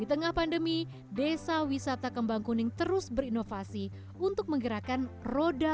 di tengah pandemi desa wisata kembang kuning terus berinovasi untuk menggerakkan roda